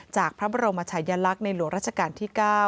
จากพระบรมชายลักษณ์ในหลวงราชการที่๙